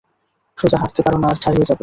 সোজা হাঁটতে পারো না আর ছাড়িয়ে যাবে।